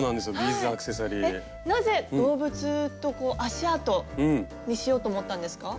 えっなぜ動物と足あとにしようと思ったんですか？